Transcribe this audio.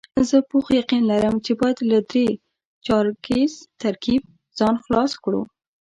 زه پوخ یقین لرم چې باید له درې چارکیز ترکیب ځان خلاص کړو.